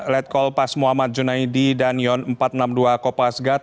let's call pas muhammad junaidi dan yon empat ratus enam puluh dua kopas gat